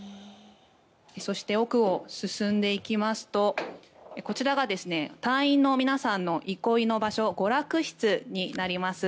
そして、奥を進んでいきますとこちらが隊員の皆さんの憩いの場所、娯楽室になります。